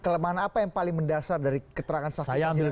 kelemahan apa yang paling mendasar dari keterangan saksi saksi dari pihak bpn